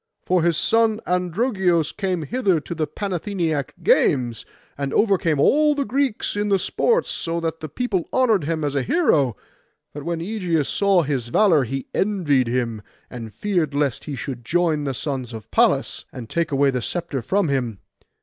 For his son Androgeos came hither to the Panathenaic games, and overcame all the Greeks in the sports, so that the people honoured him as a hero. But when Ægeus saw his valour, he envied him, and feared lest he should join the sons of Pallas, and take away the sceptre from him.